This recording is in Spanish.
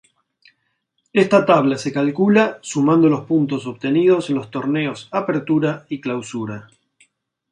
Esta tabla se calcula sumando los puntos obtenidos en los torneos Apertura y Clausura.